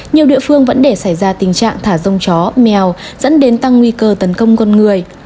nhiều địa phương vẫn để xảy ra tình trạng thả rông chó mèo dẫn đến tăng nguy cơ tấn công con người